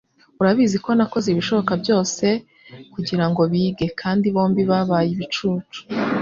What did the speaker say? Urabizi ko nakoze ibishoboka byose se kugirango bige, kandi bombi babaye ibicucu.